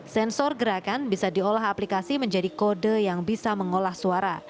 sensor gerakan bisa diolah aplikasi menjadi kode yang bisa mengolah suara